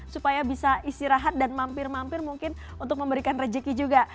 supaya bisa istirahat dan mampir mampir mungkin untuk memberikan rezeki juga